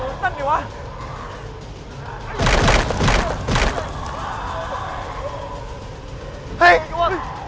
รอดแล้วเว้ยรอดแล้ว